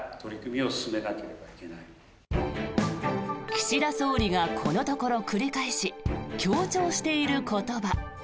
岸田総理がこのところ繰り返し強調している言葉。